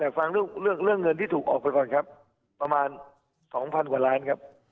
แต่แต่ฟังเรื่องเรื่องเงินที่ถูกออกไปก่อนครับประมาณสองพันกว่าล้านครับ